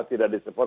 tidak akan disupport